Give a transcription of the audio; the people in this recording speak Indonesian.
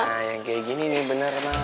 nah yang kayak gini nih bener mah